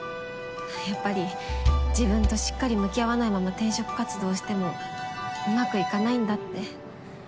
やっぱり自分としっかり向き合わないまま転職活動をしてもうまくいかないんだって。